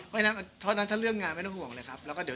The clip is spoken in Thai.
เพราะฉะนั้นถ้าเรื่องงานไม่ต้องห่วงเลยครับ